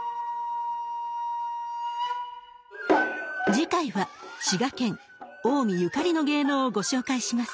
次回は滋賀県・近江ゆかりの芸能をご紹介します。